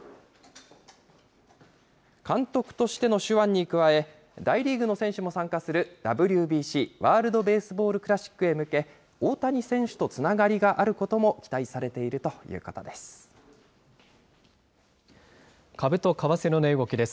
監督としての手腕に加え、大リーグの選手も参加するＷＢＣ・ワールドベースボールクラシックへ向け、大谷選手とつながりがあることも期待されているということです。